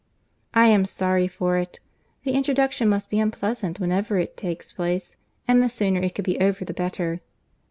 I am sorry for it. The introduction must be unpleasant, whenever it takes place; and the sooner it could be over, the better."